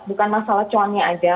bukan masalah cuannya aja